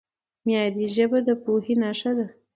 معیاري ژبه د پوهې نښه ده.